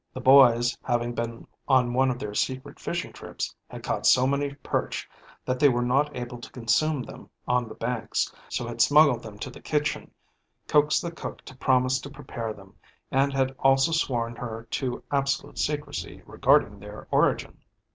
The boys having been on one of their secret fishing trips had caught so many perch that they were not able to consume them on the banks, so had smuggled them to the kitchen, coaxed the cook to promise to prepare them, and had also sworn her to absolute secrecy regarding their origin.